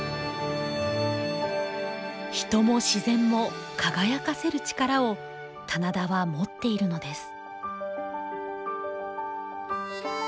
人も自然も輝かせる力を棚田は持っているのです。